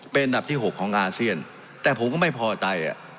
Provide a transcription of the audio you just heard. เป็นอันดับที่๖ของอาเซียนแต่ผมก็ไม่พอใจ